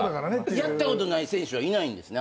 やったことない選手はいないんですね？